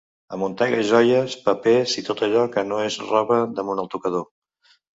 Amuntega joies, papers i tot allò que no és roba damunt el tocador.